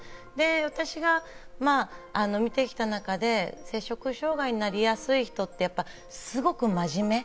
私が見てきた中で摂食障害になりやすい人って、すごく真面目。